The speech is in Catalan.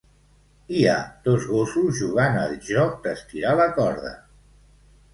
Hi ha dos gossos jugant al joc d'estirar la corda.